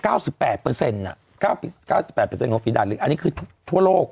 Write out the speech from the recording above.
เก้าสิบแปดเปอร์เซ็นต์น่ะเก้าสิบแปดเปอร์เซ็นต์ของอันนี้คือทั่วโลก